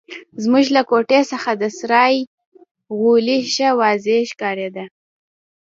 زموږ له کوټې څخه د سرای غولی ښه واضح ښکارېده.